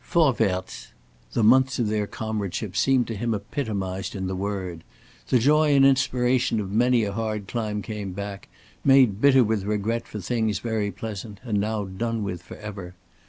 Vorwärts! The months of their comradeship seemed to him epitomized in the word. The joy and inspiration of many a hard climb came back, made bitter with regret for things very pleasant and now done with forever.